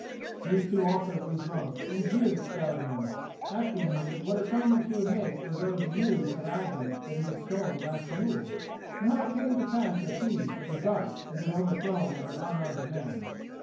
These two also grew drunk and jeered at Skallagrim, asking him what atonement he would make for those ewes of Asmund's that he had stolen last Yule, and how it came to pass that he, a Baresark, had been overthrown of an unarmed man.